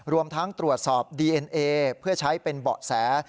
รวมทั้งตรวจสอบดีเอ็นเอเพื่อใช้เป็นเบาะแส